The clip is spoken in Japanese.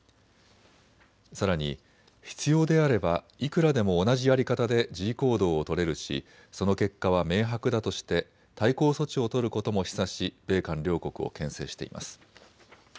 さらに必要であればいくらでも同じやり方で示威行動を取れるしその結果は明白だとして対抗措置を取ることも示唆し米韓両国をけん制しています。